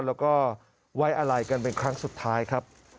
แล้วก็ไว้อะไรกันเป็นครั้งสุดท้ายครับ